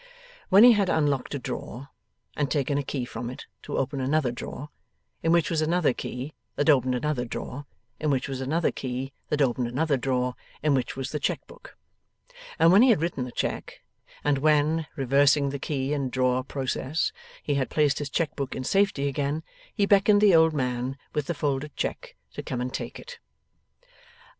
When he had unlocked a drawer and taken a key from it to open another drawer, in which was another key that opened another drawer, in which was another key that opened another drawer, in which was the cheque book; and when he had written the cheque; and when, reversing the key and drawer process, he had placed his cheque book in safety again; he beckoned the old man, with the folded cheque, to come and take it.